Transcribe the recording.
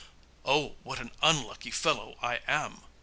'Oh! what an unlucky fellow I am!